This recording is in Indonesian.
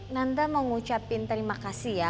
tante mau ngucapin terima kasih ya